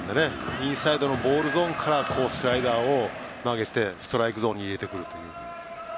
インサイドのボールゾーンからスライダーを投げてストライクゾーンに入れてくるという。